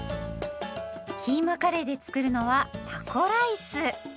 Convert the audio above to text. キーマカレーで作るのはタコライス。